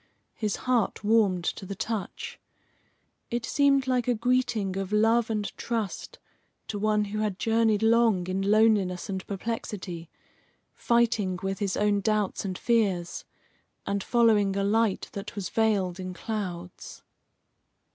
His heart warmed to the touch. It seemed like a greeting of love and trust to one who had journeyed long in loneliness and perplexity, fighting with his own doubts and fears, and following a light that was veiled in clouds.